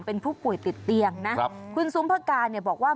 เป็นผู้ป่วยติดเตียงนะครับคุณซุมภาการเนี่ยบอกว่า